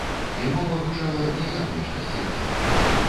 І мова гучала не як нешта сціплае.